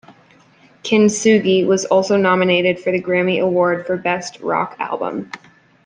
"Kintsugi" was also nominated for the Grammy Award for Best Rock Album.